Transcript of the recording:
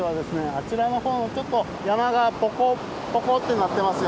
あちらの方のちょっと山がポコッポコッてなってますよね？